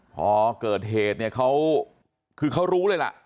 พอเกิดเหตุเนี่ยเขาคือเขารู้เลยล่ะ